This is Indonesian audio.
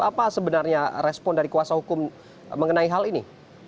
apa sebenarnya respon dari kuasa hukum mengenai hal ini